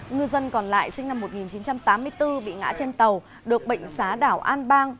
ngư dân còn lại sinh năm một nghìn chín trăm tám mươi bốn bị ngã trên tàu được bệnh xá đảo an bang